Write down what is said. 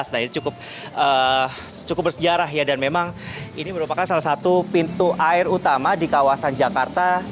nah ini cukup bersejarah ya dan memang ini merupakan salah satu pintu air utama di kawasan jakarta